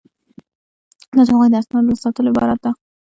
دا د هغوی د اسنادو له ساتلو عبارت ده.